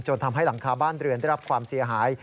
ทำให้หลังคาบ้านเรือนได้รับความเสียหาย